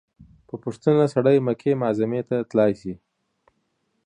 په پوښتنه سړى مکې معظمې ته تلاى سي.